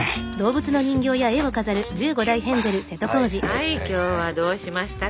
はい今日はどうしましたか？